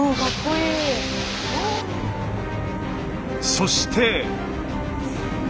そして。